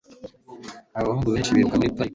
Abahungu benshi biruka muri parike